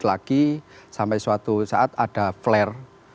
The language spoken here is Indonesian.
lagi sampai suatu saat ada flare